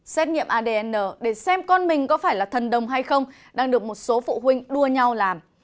xét nghiệm adn để xem con mình có phải là thần đồng hay không đang được một số phụ huynh đua nhau làm